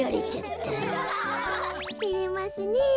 てれますねえ。